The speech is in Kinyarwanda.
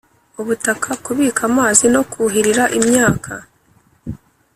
ubutaka kubika amazi no kuhirira imyaka